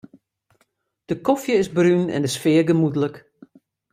De kofje is brún en de sfear gemoedlik.